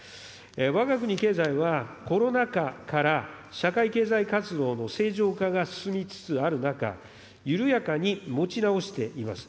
わが国経済はコロナ禍から社会経済活動の正常化が進みつつある中、緩やかに持ち直しています。